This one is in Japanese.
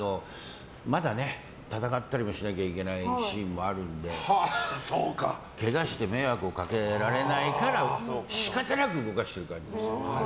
まだ戦ったりもしなきゃいけないシーンもあるのでけがして迷惑をかけられないから仕方なく動かしてるタイプです。